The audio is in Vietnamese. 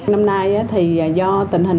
năm nay thì do tình hình